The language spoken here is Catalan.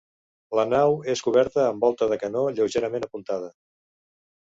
La nau és coberta amb volta de canó lleugerament apuntada.